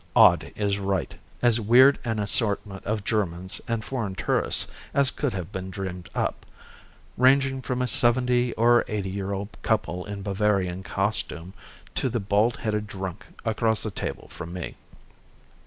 Odd is right. As weird an assortment of Germans and foreign tourists as could have been dreamed up, ranging from a seventy or eighty year old couple in Bavarian costume, to the bald headed drunk across the table from me.